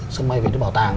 sân bay về đến bảo tàng